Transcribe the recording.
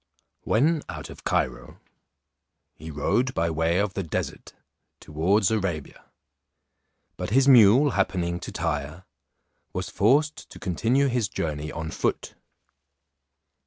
When out of Cairo, he rode by way of the desert towards Arabia; but his mule happening to tire, was forced to continue his journey on foot.